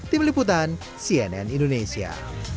tim liputan cnn indonesia